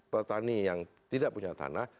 petani yang tidak punya tanah